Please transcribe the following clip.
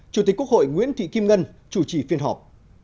chủ tịch quốc hội nguyễn thị kim ngân chủ trì phiên họp